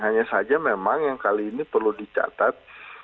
hanya saja memang yang kali ini perlu dicatat